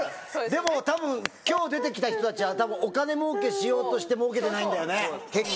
でもたぶん今日出てきた人たちはお金もうけしようとしてもうけてないんだよね。